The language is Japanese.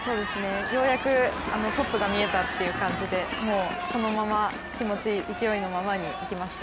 ようやくトップが見えたという感じでもうそのまま、気持ち、勢いのままにいきました。